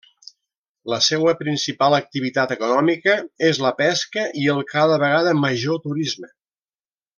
La seua principal activitat econòmica és la pesca i el cada vegada major turisme.